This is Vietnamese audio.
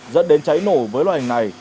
dẫn đến cháy nổ với loài hình này